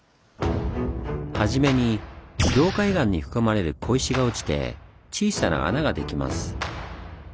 初めに凝灰岩に含まれる小石が落ちて小さな穴ができます。